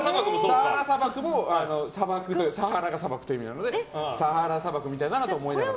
サハラ砂漠もサハラが砂漠っていう意味なのでサハラ砂漠みたいだなと思いながら。